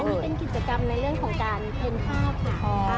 วันนี้เป็นกิจกรรมในเรื่องของการเป็นภาพคุณพ่อ